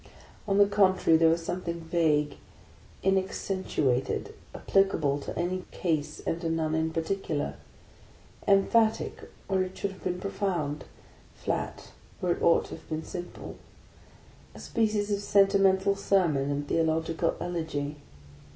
On the contrary, there was something vague, inaccentu atcd, applicable to any case and to none in particular: em phatic where it should have been profound, flat where it ought to have been simple; a species of sentimental sermon and the ological elegy.